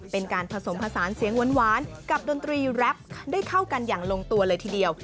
เป็นการผสมผสานเสียงหวานกับดนตรีแรปได้เข้ากันอย่างลงตัวเลยทีเดียว